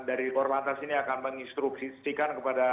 dari korban lantas ini akan menginstruksikan kepada